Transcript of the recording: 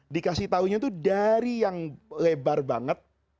dikasih tahunya itu dari yang lebar banget